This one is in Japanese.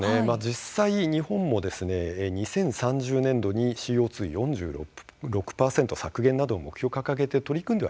実際、日本も２０３０年度にＣＯ２、４６％削減などの目標を掲げて取り組んではいます。